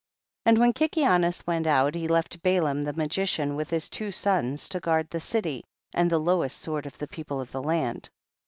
3. And when Kikianus went out, he left Balaam the magician, with his two sons, to guard the city, and the lowest sort of the people of the land.